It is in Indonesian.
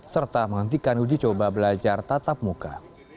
serta menghentikan uji coba belajar tatap muka